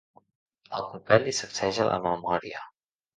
El copet li sacseja la memòria.